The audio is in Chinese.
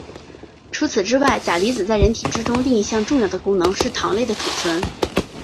除此之外钾离子在人体之中另一项重要的功能是糖类的储存。